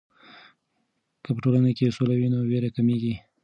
که په ټولنه کې سوله وي، نو ویر کمېږي.